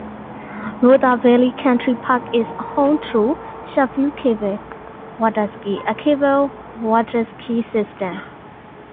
Rother Valley Country Park is home to Sheffield Cable Waterski, a cable waterski system.